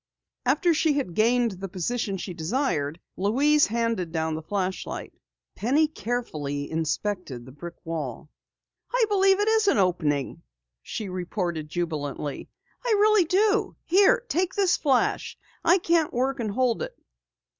After she had gained the position she desired, Louise handed down the flashlight. Penny carefully inspected the brick wall. "I believe it is an opening!" she reported jubilantly. "I really do. Here, take this flash. I can't work and hold it."